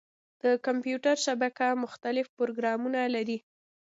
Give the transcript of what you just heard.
د کمپیوټر شبکې مختلف پروتوکولونه لري.